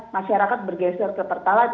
masyarakat bergeser ke pertalite